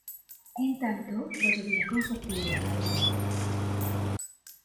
En tanto, proseguía con su actividad radial.